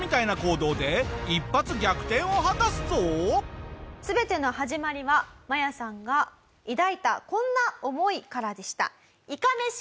マヤさんの全ての始まりはマヤさんが抱いたこんな思いからでした。